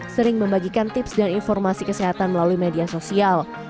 sering membagikan tips dan informasi kesehatan melalui media sosial